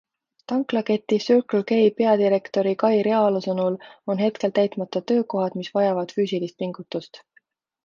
Tanklaketi Circle K peadirektori Kai Realo sõnul on hetkel täitmata töökohad, mis vajavad füüsilist pingutust.